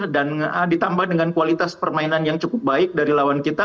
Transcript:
dan ditambah dengan kualitas permainan yang cukup baik dari lawan kita